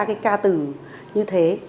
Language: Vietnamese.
cái ca từ như thế